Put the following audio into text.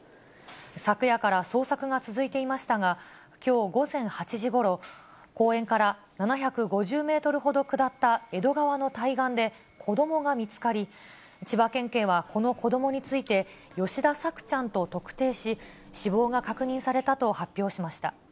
昨夜から捜索が続いていましたが、きょう午前８時ごろ、公園から７５０メートルほど下った江戸川の対岸で子どもが見つかり、千葉県警はこの子どもについて、吉田朔ちゃんと特定し、死亡が確認されたと発表しました。